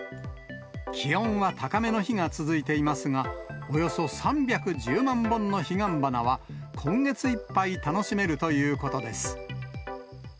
気温は高めの日が続いていますが、およそ３１０万本の彼岸花は、今月いっぱい楽しめるということです。